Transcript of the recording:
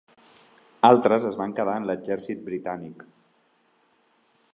Altres es van quedar en l'exèrcit britànic.